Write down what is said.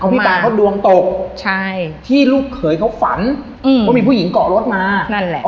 พี่ปาเขาดวงตกที่ลูกเขยเขาฝันว่ามีผู้หญิงเกาะรถมา